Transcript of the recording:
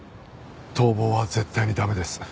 逃亡は絶対に駄目です。